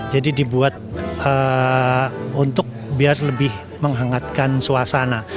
jadi dibuat untuk biar lebih menghangatkan suasana